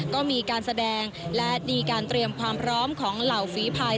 ก็มีการแสดงและมีการเตรียมความพร้อมของเหล่าฝีภาย